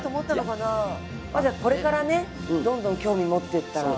まあじゃあこれからねどんどん興味持ってったら。